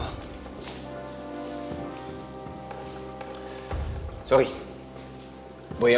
boy yang lagi gak ada